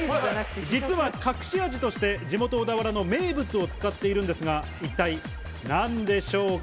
実は隠し味として地元・小田原の名物を使っているのですが、一体何でしょうか？